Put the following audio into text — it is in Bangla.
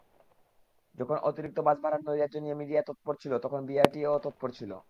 যখন অতিরিক্ত বাসভাড়ার নৈরাজ্য নিয়ে মিডিয়া তৎপর ছিল, তখন বিআরটিএও তৎপর ছিল।